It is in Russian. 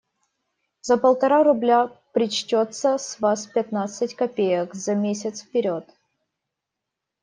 За полтора рубля причтется с вас пятнадцать копеек, за месяц вперед.